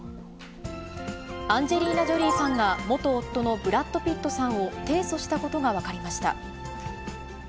アンジェリーナ・ジョリーさんが、元夫のブラッド・ピットさんを提訴したことが分かりました。